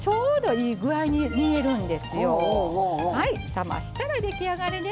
冷ましたら出来上がりです。